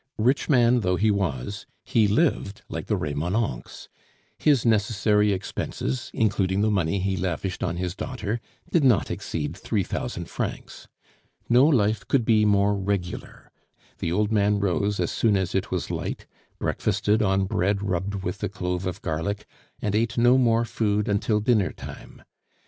Rich man though he was, he lived like the Remonencqs. His necessary expenses, including the money he lavished on his daughter, did not exceed three thousand francs. No life could be more regular; the old man rose as soon as it was light, breakfasted on bread rubbed with a clove of garlic, and ate no more food until dinner time.